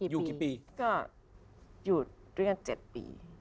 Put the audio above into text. อยู่กี่ปีก็อยู่ด้วยกัน๗ปี